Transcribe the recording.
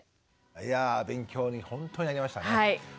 いやあ勉強に本当になりましたね。